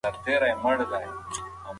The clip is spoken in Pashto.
سهارنۍ نه خوړل د سړو لپاره خطرناک دي.